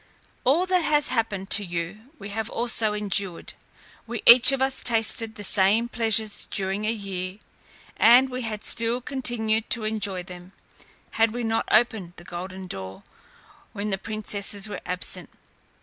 All that has happened to you we have also endured; we each of us tasted the same pleasures during a year; and we had still continued to enjoy them, had we not opened the golden door, when the princesses were absent.